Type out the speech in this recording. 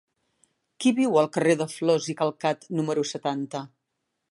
Qui viu al carrer de Flos i Calcat número setanta?